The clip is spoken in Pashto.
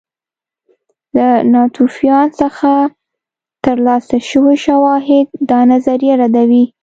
له ناتوفیان څخه ترلاسه شوي شواهد دا نظریه ردوي